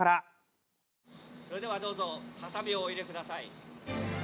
それではどうぞはさみをお入れください。